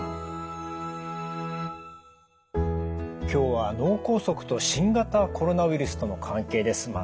今日は脳梗塞と新型コロナウイルスとの関係です。